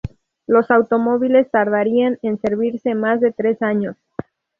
Los automóviles tardarían en servirse más de tres años.